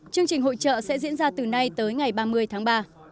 chương trình hội trợ sẽ diễn ra từ nay tới ngày ba mươi tháng ba